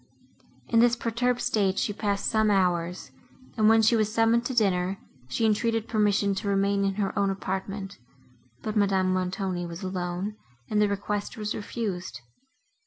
In this perturbed state she passed some hours, and, when she was summoned to dinner, she entreated permission to remain in her own apartment; but Madame Montoni was alone, and the request was refused.